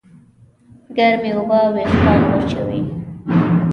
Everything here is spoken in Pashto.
ګرمې اوبه وېښتيان وچوي.